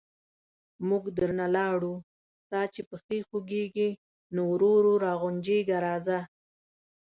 موږ درنه لاړو، ستا چې پښې خوګېږي، نو ورو ورو را غونجېږه راځه...